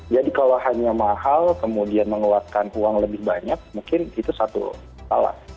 jadi kalau hanya mahal kemudian mengeluarkan uang lebih banyak mungkin itu satu salah